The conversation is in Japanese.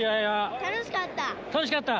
楽しかった。